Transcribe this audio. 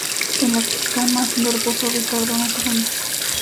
en la cama haciendo reposo. Ricardo, no te ofendas